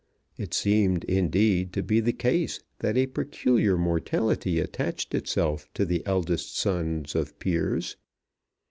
It seemed, indeed, to be the case that a peculiar mortality attached itself to the eldest sons of Peers.